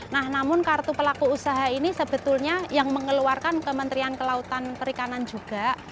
nah namun kartu pelaku usaha ini sebetulnya yang mengeluarkan kementerian kelautan perikanan juga